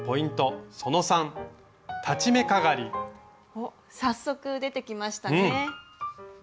おっ早速出てきましたね。